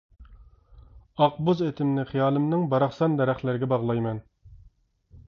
ئاق بوز ئېتىمنى خىيالىمنىڭ باراقسان دەرەخلىرىگە باغلايمەن.